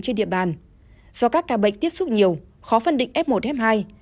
trên địa bàn do các ca bệnh tiếp xúc nhiều khó phân định f một f hai